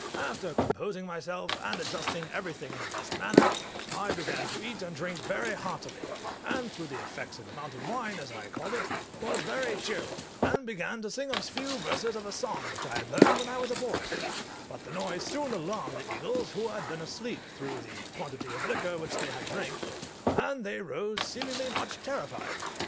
After composing myself, and adjusting everything in the best manner, I began to eat and drink very heartily; and through the effects of the mountain wine, as I called it, was very cheerful, and began to sing a few verses of a song which I had learned when I was a boy: but the noise soon alarmed the eagles, who had been asleep, through the quantity of liquor which they had drank, and they rose seemingly much terrified.